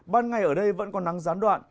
ban ngày ở đây vẫn còn nắng gián đoạn